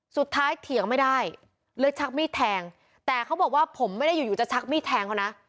เถียงไม่ได้เลยชักมีดแทงแต่เขาบอกว่าผมไม่ได้อยู่อยู่จะชักมีดแทงเขานะ